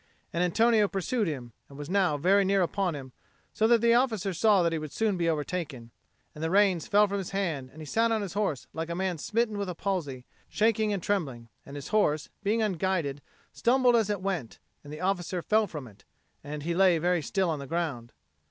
And Antonio pursued after him, and was now very near upon him; so that the officer saw that he would soon be overtaken, and the reins fell from his hand and he sat on his horse like a man smitten with a palsy, shaking and trembling: and his horse, being unguided, stumbled as it went, and the officer fell off from it; and he lay very still on the ground.